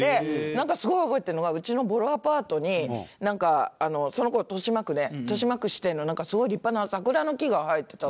なんかすごい覚えてるのがうちのボロアパートになんかその頃豊島区で豊島区指定のすごい立派な桜の木が生えてたんですよ。